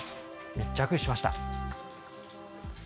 密着しました。